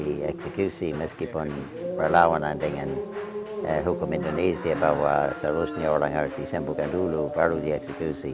dia di eksekusi meskipun berlawanan dengan hukum indonesia bahwa seluruhnya orang harus disembuhkan dulu baru dieksekusi